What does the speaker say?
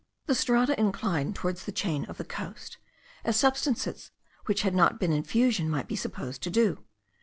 The strata incline towards the chain of the coast, as substances which had not been in fusion might be supposed to do.